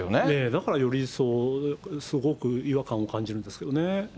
だからより一層すごく違和感を感じるんですけどね。